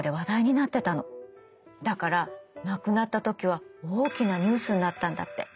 だから亡くなった時は大きなニュースになったんだって。